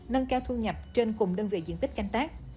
nâng cao thu nhập trên cùng đơn vị diện tích canh tác